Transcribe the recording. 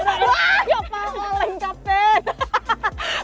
aduh wah ya pauleng kapten